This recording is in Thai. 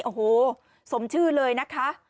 โอ้โหสมชื่อเลยนะคะ